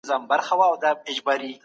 زه په مطالعه کولو بوخت یم.